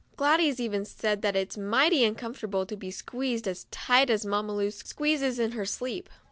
Gladys even said that it's mighty uncomfortable to be squeezed as tight as Mamma Lu squeezes in her sleep.